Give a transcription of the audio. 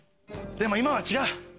でも今は違う。